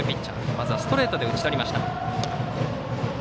まずはストレートで打ち取りました。